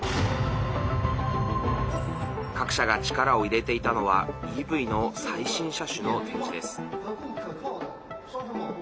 各社が力を入れていたのはＥＶの最新車種の展示です。